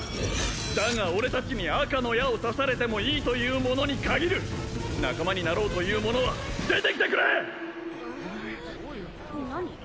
だが俺達に赤の矢を刺されてもいいという者に限る仲間になろうという者は出てきてくれ！